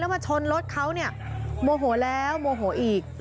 มาชนรถเขาเนี่ยโมโหแล้วโมโหอีก